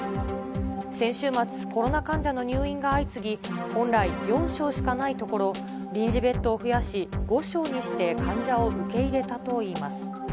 先週末、コロナ患者の入院が相次ぎ、本来、４床しかないところ、臨時ベッドを増やし５床にして患者を受け入れたといいます。